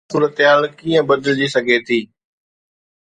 اها صورتحال ڪيئن بدلجي سگهي ٿي؟